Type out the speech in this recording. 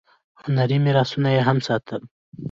هنري میراثونه یې هم ساتل.